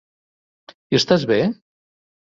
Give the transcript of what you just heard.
Hi estàs bé?